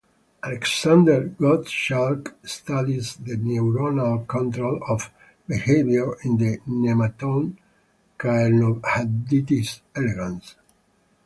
Alexander Gottschalk studies the neuronal control of behavior in the nematode "Caenorhabditis elegans".